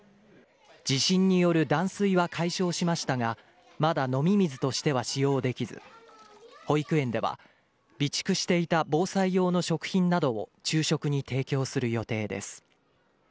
地震による断水は解消しましたが、まだ飲み水としては使用できず、保育園では、備蓄していた防災用の食品などを昼食に提供する予定です。